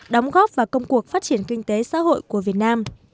đóng góp vào công cuộc phát triển kinh tế xã hội của việt nam